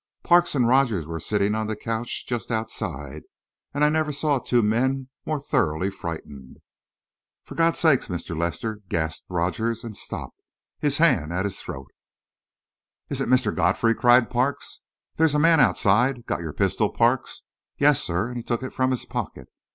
Parks and Rogers were sitting on the couch just outside and I never saw two men more thoroughly frightened. "For God's sake, Mr. Lester!" gasped Rogers, and stopped, his hand at his throat. "Is it Mr. Godfrey?" cried Parks. "There's a man outside. Got your pistol, Parks?" "Yes, sir," and he took it from his pocket.